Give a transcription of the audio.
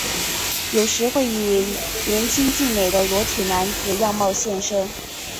有时会以年轻俊美的裸体男子样貌现身。